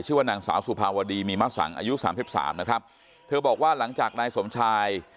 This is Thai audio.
ชื่อว่านางสาวสุภาวดีมีมะสังอายุสามสิบสามนะครับเธอบอกว่าหลังจากนายสมชาย